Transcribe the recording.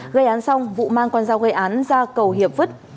gây án xong vũ mang con dao gây án ra cầu hiệp vứt